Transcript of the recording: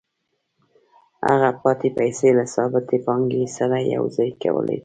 هغه پاتې پیسې له ثابتې پانګې سره یوځای کوي